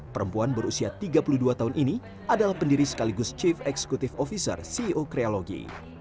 perempuan berusia tiga puluh dua tahun ini adalah pendiri sekaligus chief executive officer ceo krealogy